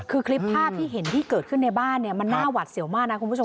คือคลิปภาพที่เห็นที่เกิดขึ้นในบ้านเนี่ยมันน่าหวัดเสี่ยวมากนะคุณผู้ชม